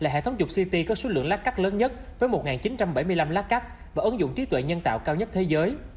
hệ thống chụp ct có số lượng lacac lớn nhất với một chín trăm bảy mươi năm lacac và ứng dụng trí tuệ nhân tạo cao nhất thế giới